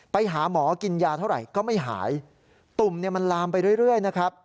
ไปหาหมอกินยาเท่าไหร่ก็ไม่หายตุ่มเนี่ยมันลามไปเรื่อยนะครับ